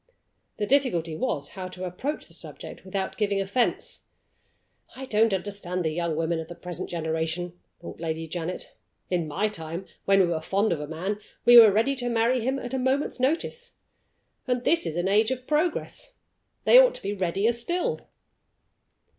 The difficulty was, how to approach the subject without giving offense. "I don't understand the young women of the present generation," thought Lady Janet. "In my time, when we were fond of a man, we were ready to marry him at a moment's notice. And this is an age of progress! They ought to be readier still."